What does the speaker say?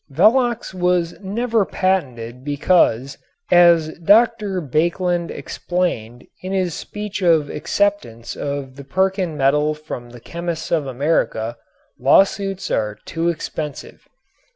Velox was never patented because, as Dr. Baekeland explained in his speech of acceptance of the Perkin medal from the chemists of America, lawsuits are too expensive.